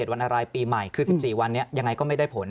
วันอะไรปีใหม่คือ๑๔วันนี้ยังไงก็ไม่ได้ผล